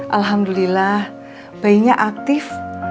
alhamdulillah bayinya aktif